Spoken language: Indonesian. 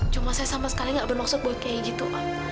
cuma saya sama sekali gak bermaksud buat kayak gitu